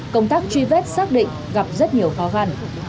công tác truy vết xác định gặp rất nhiều khó khăn